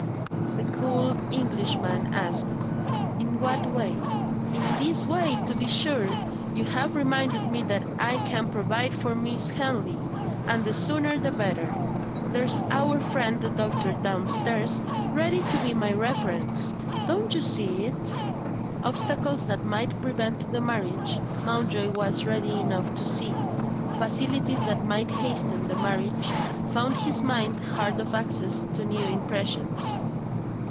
The cool Englishman asked: "In what way?" "In this way, to be sure! You have reminded me that I can provide for Miss Henley and the sooner the better. There's our friend the doctor down stairs, ready to be my reference. Don't you see it?" Obstacles that might prevent the marriage Mountjoy was ready enough to see. Facilities that might hasten the marriage found his mind hard of access to new impressions.